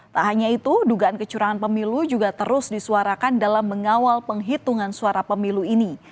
tak hanya itu dugaan kecurangan pemilu juga terus disuarakan dalam mengawal penghitungan suara pemilu ini